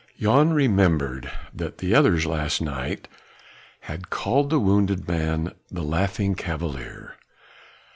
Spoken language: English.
Jan remembered that the others last night had called the wounded man the Laughing Cavalier.